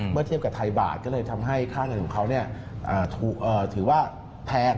เทียบกับไทยบาทก็เลยทำให้ค่าเงินของเขาถือว่าแพง